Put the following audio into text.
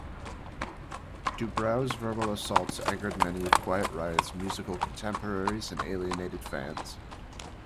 DuBrow's verbal assaults angered many of Quiet Riot's musical contemporaries and alienated fans.